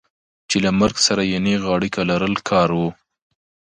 چې له مرګ سره یې نېغه اړیکه لرل کار و.